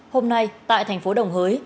hôm nay tại thành phố đồng hới